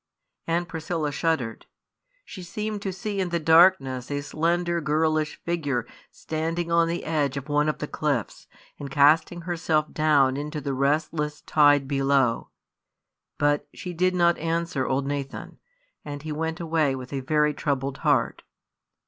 Aunt Priscilla shuddered. She seemed to see in the darkness a slender, girlish figure standing on the edge of one of the cliffs, and casting herself down into the restless tide below. But she did not answer old Nathan, and he went away with a very troubled heart.